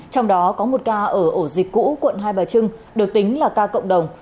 trong đó có một ca ở ổ dịch cũ quận hai bà trưng được tính là ca cộng đồng